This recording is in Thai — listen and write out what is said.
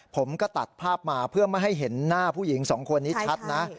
ผมก็ตัดภาพมาเพื่อไม่ให้เห็นหน้าผู้หญิงสองคนนี้ชัดนะ